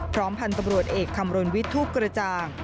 พร้อมพันธุ์ตำรวจเอกคำรวญวิทย์ทุกรจาง